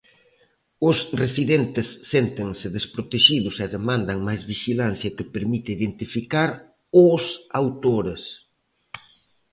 Os residentes séntense desprotexidos e demandan máis vixilancia que permita identificar aos autores.